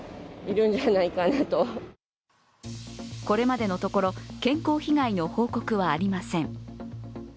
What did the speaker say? これまでのところ、健康被害の報告はありません。